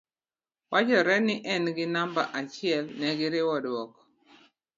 wachore ni en gi namba achiel negiriwo duoko